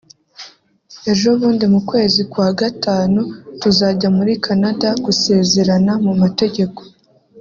ejobundi mu kwezi kwa Gatanu tuzajya muri Canada gusezerana mu mategeko